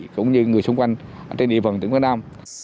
cũng như người xung quanh trên địa bàn tỉnh quảng nam